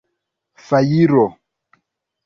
fajro